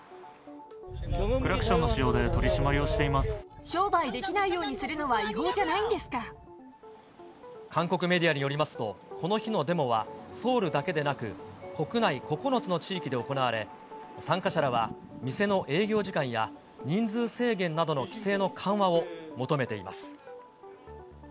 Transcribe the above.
クラクションの使用で取り締商売できないようにするのは韓国メディアによりますと、この日のデモはソウルだけでなく、国内９つの地域で行われ、参加者らは店の営業時間や人数制限などの規制の緩和を求めています。